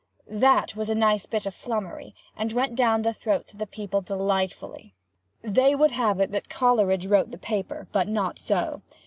That was a nice bit of flummery, and went down the throats of the people delightfully. They would have it that Coleridge wrote the paper—but not so.